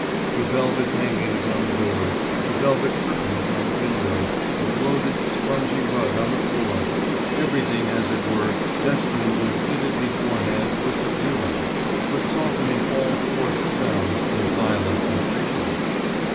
The velvet hangings on the doors, the velvet curtains on the window, the bloated, spongy rug on the floor, everything as it were destined and fitted beforehand for subduing, for softening all coarse sounds and violent sensations.